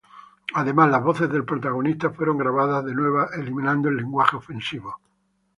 Además, las voces del protagonista fueron grabadas de nueva eliminando el lenguaje ofensivo.